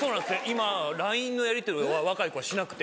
今ＬＩＮＥのやりとりを若い子はしなくて。